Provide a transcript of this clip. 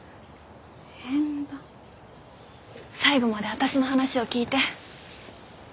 最後まで私の話を聞いて。